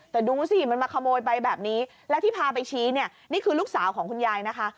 แต่ดูสิมันมาขโมยไปแบบนี้แล้วที่พาไปชี้เนี่ยนี่คือลูกสาวของคุณยายนะคะ